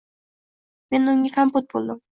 Men unga kompot bo'ldim.